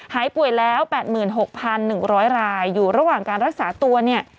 หายป่วยแล้วแปดหมื่นหกพันหนึ่งร้อยรายอยู่ระหว่างการรักษาตัวเนี่ย